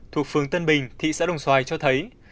thuộc phường tân bình thị xã đồng xoài cho thấy